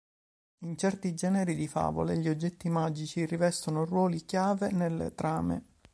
In certi generi di favole gli oggetti magici rivestono ruoli chiave nelle trame.